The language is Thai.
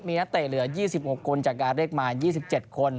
มีนักเตะเหลือ๒๖คนจากการเรียกมา๒๗คน